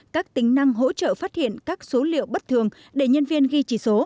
các tính năng hỗ trợ phát hiện các số liệu bất thường để nhân viên ghi chỉ số